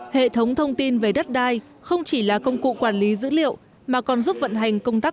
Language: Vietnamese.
hệ thống thông tin về đất đai không chỉ là công cụ quản lý dữ liệu mà còn giúp vận hành công tác